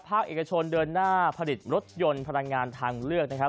ภาคเอกชนเดินหน้าผลิตรถยนต์พลังงานทังเลือก